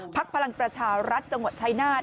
พลังประชารัฐจังหวัดชายนาฏ